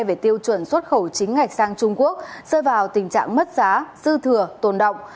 về tiêu chuẩn xuất khẩu chính ngạch sang trung quốc rơi vào tình trạng mất giá dư thừa tồn động